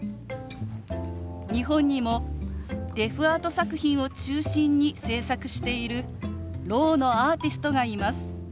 日本にもデフアート作品を中心に制作しているろうのアーティストがいます。